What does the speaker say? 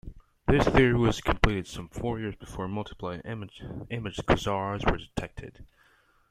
This theory was completed some four years before multiply imaged quasars were detected.